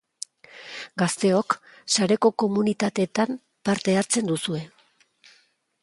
Gazteok sareko komunitateetan parte hartzen duzue.